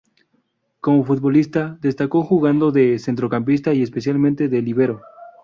Como futbolista, destacó jugando de centrocampista y, especialmente, de líbero.